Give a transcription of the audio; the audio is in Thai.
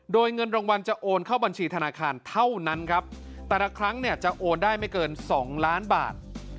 โดยเงินรางวัลจะโอนเข้าบัญชีธนาคารเท่านั้นครับแต่ละครั้งเนี่ยจะโอนได้ไม่เกินสองล้านบาท